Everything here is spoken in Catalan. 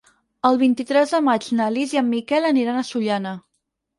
El vint-i-tres de maig na Lis i en Miquel aniran a Sollana.